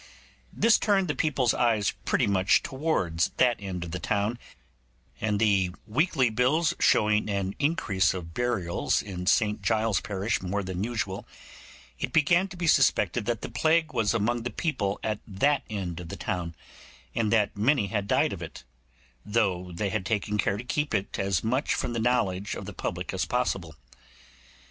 This turned the people's eyes pretty much towards that end of the town, and the weekly bills showing an increase of burials in St Giles's parish more than usual, it began to be suspected that the plague was among the people at that end of the town, and that many had died of it, though they had taken care to keep it as much from the knowledge of the public as possible.